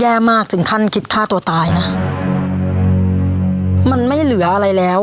แย่มากถึงขั้นคิดฆ่าตัวตายนะมันไม่เหลืออะไรแล้ว